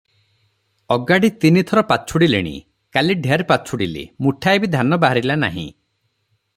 ଅଗାଡ଼ି ତିନି ଥର ପାଛୁଡ଼ିଲିଣି, କାଲି ଢେର ପାଛୁଡ଼ିଲି, ମୁଠାଏ ବି ଧାନ ବାହାରିଲା ନାହିଁ ।